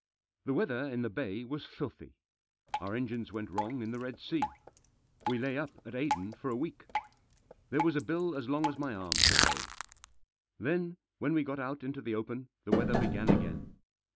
The weather in the Bay was filthy. Our engines went wrong in the Red Sea. We lay up at Aden for a week. There was a bill as long as my arm to pay. Then when we got out into the open the weather began again.